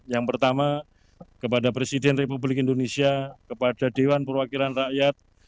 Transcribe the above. yang pertama kepada presiden republik indonesia kepada dewan perwakilan rakyat